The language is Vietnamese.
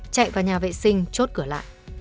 chạy vào nhà vệ sinh chốt cửa lại